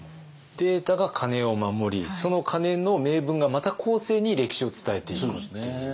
データが鐘を守りその鐘の銘文がまた後世に歴史を伝えていくっていう。